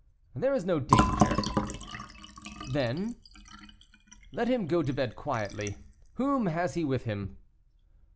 "There is no danger." "Then " "Let him go to bed quietly. Whom has he with him?"